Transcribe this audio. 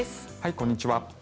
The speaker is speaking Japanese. こんにちは。